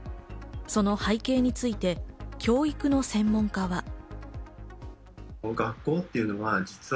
その背景について教育の専門家は。